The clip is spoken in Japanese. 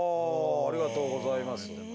ありがとうございます。